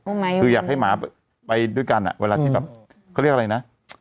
คืออยากให้หมาไปด้วยกันอ่ะเวลาที่แบบเขาเรียกอะไรนะ